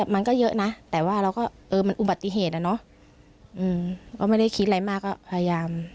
มันก็เยอะนะแต่ว่าเราก็เออมันอุบัติเหตุอะเนาะก็ไม่ได้คิดอะไรมากก็พยายาม